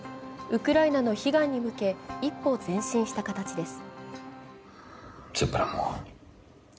ウクライナの悲願に向け一歩前進した形です。